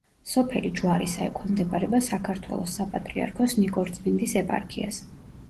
სოფელი ჯვარისა ექვემდებარება საქართველოს საპატრიარქოს ნიკორწმინდის ეპარქიას.